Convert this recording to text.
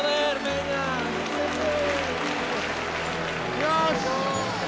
よし！